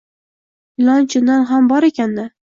ilon chindan ham bor ekan-da